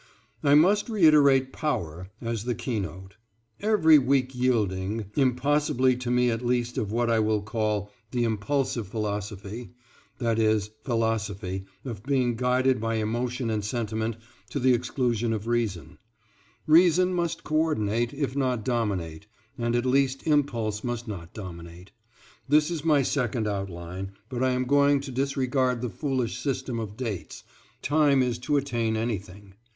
I must reiterate =Power= as the keynote. Every weak yielding .... impossibility to me at least of what I will call "The Impulsive Philosophy," i. e., philosophy of being guided by emotion and sentiment, to the exclusion of reason. Reason must coordinate, if not dominate, and at least impulse must not dominate. This is my second outline, but I am going to disregard the foolish system of dates, time is to attain anything.